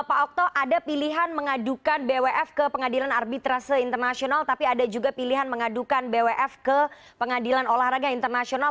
pak okto ada pilihan mengadukan bwf ke pengadilan arbitrase internasional tapi ada juga pilihan mengadukan bwf ke pengadilan olahraga internasional